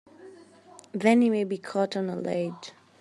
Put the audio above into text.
Then he may be caught on a ledge!